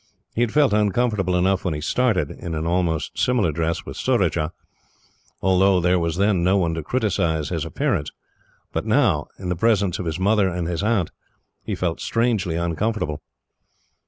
He had felt uncomfortable enough when he started, in an almost similar dress, with Surajah, although there was then no one to criticise his appearance. But now, in the presence of his mother and aunt, he felt strangely uncomfortable.